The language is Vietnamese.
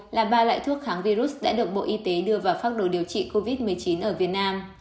là ba loại thuốc kháng virus đã được bộ y tế đưa vào phác đồ điều trị covid một mươi chín ở việt nam